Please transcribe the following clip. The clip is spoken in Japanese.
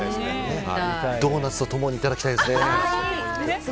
ドーナツと共にいただきたいですね。